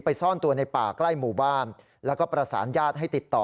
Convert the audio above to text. ซ่อนตัวในป่าใกล้หมู่บ้านแล้วก็ประสานญาติให้ติดต่อ